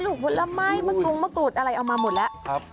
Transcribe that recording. ลูกผลไม้มันลงมากรูดอะไรเอามาหมดแล้วครับ